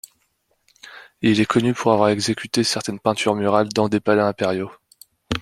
Il est connu pour avoir exécuté certaines peintures murales dans des palais impériaux.